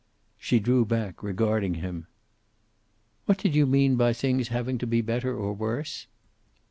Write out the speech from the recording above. She drew back, regarding him. "What did you mean by things having to be better or worse?"